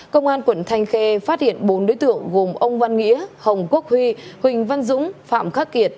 công an quận thanh khê phát hiện bốn đối tượng gồm ông văn nghĩa hồng quốc huy huỳnh văn dũng phạm khắc kiệt